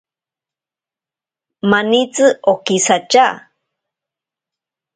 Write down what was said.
Manitsi okisatya.